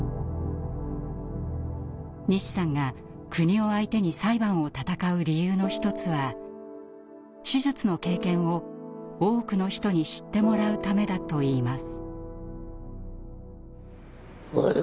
西さんが国を相手に裁判を闘う理由の一つは手術の経験を多くの人に知ってもらうためだといいます。